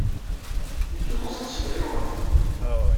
Mi yelluẓ ad tt-yerr i uɣenni.